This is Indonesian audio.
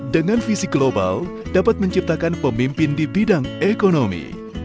dengan visi global dapat menciptakan pemimpin di bidang ekonomi